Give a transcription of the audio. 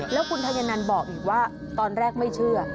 แล้วคุณธัญนันบอกอีกว่าตอนแรกไม่เชื่อ